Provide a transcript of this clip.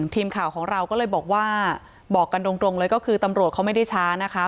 ทีมข่าวของเราก็เลยบอกว่าบอกกันตรงเลยก็คือตำรวจเขาไม่ได้ช้านะคะ